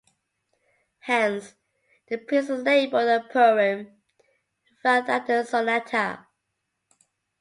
Hence, the piece is labelled a poem, rather than a sonata.